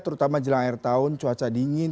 terutama jelang air tahun cuaca dingin